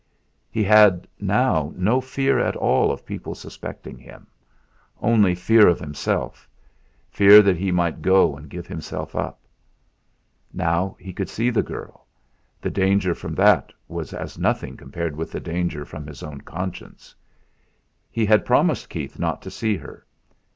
He had now no fear at all of people suspecting him; only fear of himself fear that he might go and give himself up. Now he could see the girl; the danger from that was as nothing compared with the danger from his own conscience. He had promised Keith not to see her.